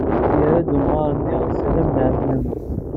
Yerra-d umɣar-nni: «Salam, lεeslama».